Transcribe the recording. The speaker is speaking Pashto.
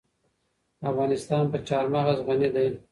افغانستان په چار مغز غني دی.